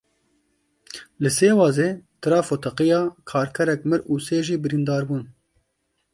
Li Sêwazê trafo teqiya Karkerek mir û sê jî birîndar bûn.